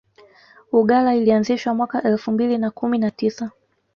uggala ilianzishwa mwaka elfu mbili na kumi na tisa